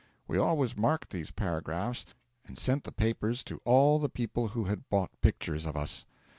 We always marked these paragraphs, and sent the papers to all the people who had bought pictures of us.